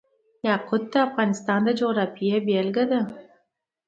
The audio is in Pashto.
یاقوت د افغانستان د جغرافیې بېلګه ده.